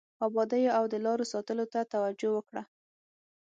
ابادیو او د لارو ساتلو ته توجه وکړه.